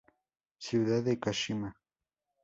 鹿嶋市 Ciudad de Kashima